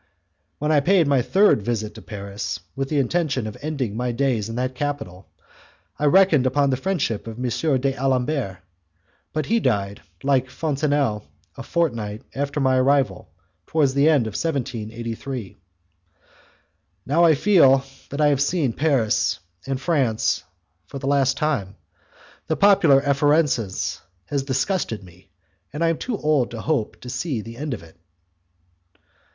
When I paid my third visit to Paris with the intention of ending my days in that capital, I reckoned upon the friendship of M. d'Alembert, but he died, like Fontenelle, a fortnight after my arrival, towards the end of 1783. Now I feel that I have seen Paris and France for the last time. The popular effervescence has disgusted me, and I am too old to hope to see the end of it.